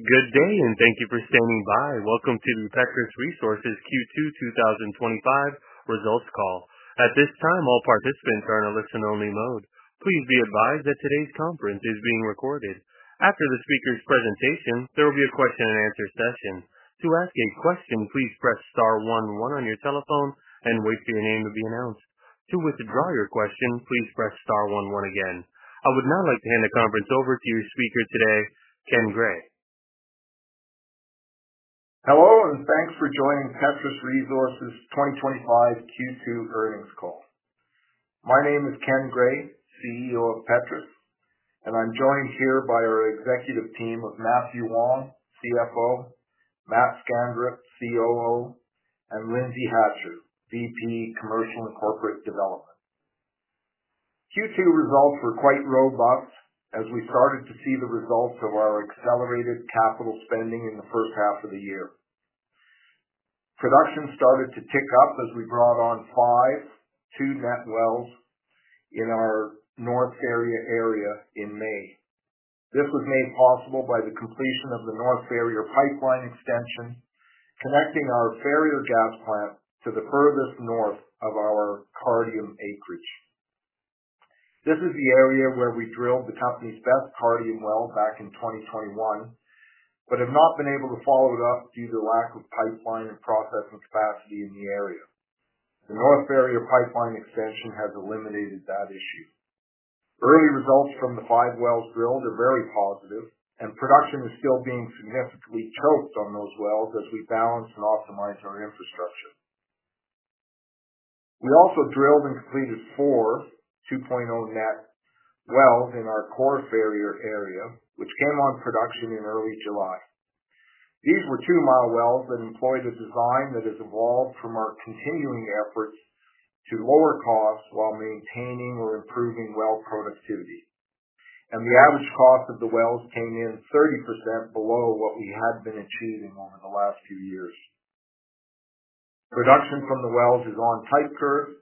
Good day, and thank you for standing by. Welcome to the Petrus Resources Q2 2025 Results Call. At this time, all participants are in a listen-only mode. Please be advised that today's conference is being recorded. After the speaker's presentation, there will be a question and answer session. To ask a question, please press *11 on your telephone and wait for your name to be announced. To withdraw your question, please press *11 again. I would now like to hand the conference over to your speaker today, Ken Gray. Hello, and thanks for joining Petrus Resources 2025 Q2 Earnings Call. My name is Ken Gray, CEO of Petrus, and I'm joined here by our executive team of Matthew Wong, CFO, Matt Skanderup, COO, and Lindsay Hatcher, VP of Commercial and Corporate Development. Q2 results were quite robust, as we started to see the result of our accelerated capital spending in the first half of the year. Production started to pick up as we brought on five, two net wells in our North Ferrier area in May. This was made possible by the completion of the North Ferrier pipeline extension, connecting our Ferrier gas plant to the furthest north of our Cardium acreage. This is the area where we drilled the company's best Cardium well back in 2021, but have not been able to follow it up due to lack of pipeline and processing capacity in the area. The North Ferrier pipeline extension has eliminated that issue. Early results from the five wells drilled are very positive, and production is still being significantly choked on those wells as we balance and optimize our infrastructure. We also drilled and completed four 2.0 net wells in our core Ferrier area, which then went on production in early July. These were two-mile wells and employed a design that has evolved from our continuing efforts to lower costs while maintaining or improving well productivity. The average cost of the wells came in 30% below what we had been achieving over the last few years. Production from the wells is on tight curves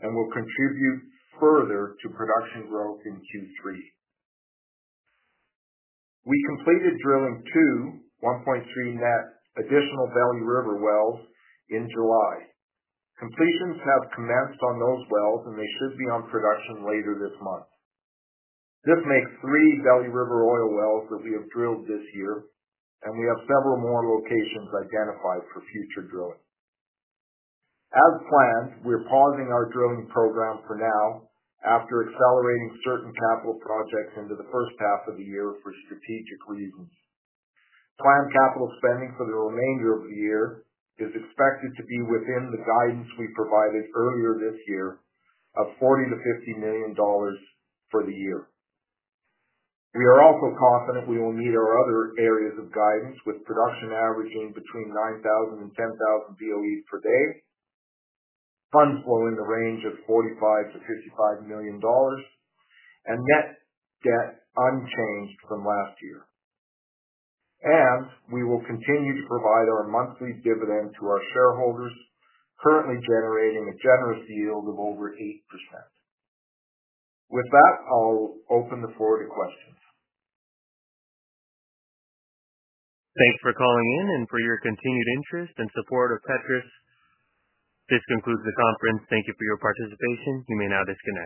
and will contribute further to production growth in Q3. We completed drilling two 1.3 net additional Valley River wells in July. Completions have commenced on those wells, and they should be on production later this month. This makes three Valley River oil wells that we have drilled this year, and we have several more locations identified for future drilling. As planned, we're pausing our drilling program for now after accelerating certain capital projects into the first half of the year for strategic reasons. Planned capital spending for the remainder of the year is expected to be within the guidance we provided earlier this year of $40 million-$50 million for the year. We are also confident we will meet our other areas of guidance, with production averaging between 9,000 and 10,000 BOEs per day, funds flowing in the range of $45 million-$55 million, and net debt unchanged from last year. We will continue to provide our monthly dividend to our shareholders, currently generating a generous yield of over 8%. With that, I'll open the floor to questions. Thanks for calling in and for your continued interest and support of Petrus Resources. This concludes the conference. Thank you for your participation. You may now disconnect.